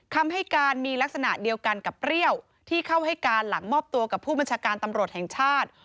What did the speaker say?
คำให้การมีลักษณะเดียวกันกับเปรี้ยวที่เข้าให้การหลังมอบตัวกับผู้บัญชาการตำรวจแห่งชาติ